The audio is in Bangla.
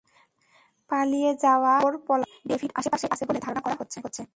পালিয়ে যাওয়া অপর পলাতক ডেভিড আশপাশেই আছে বলে ধারণা করা হচ্ছে।